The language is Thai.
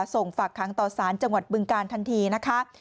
ส่งฝากค้างต่อสารจังหวัดบึงการทันทีนะคะ